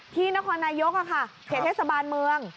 ที่นครนายกเขตเทศบาลเมือง